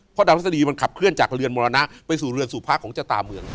เพราะดาวทัศดีมันขับเคลื่อนจากเรือนมรณะไปสู่เรือนสู่พระของชะตาเมือง